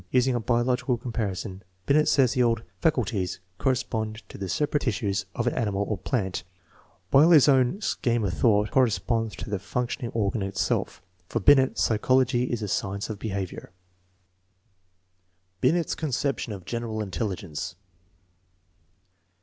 Using a biological comparison, Binet says the old " faculties " correspond to the separate tissues of an animal or plant, while his own " scheme of thought " corresponds to the functioning organ itself. For Bind, psychology is the science of behavior. Binet's conception of general intelligence.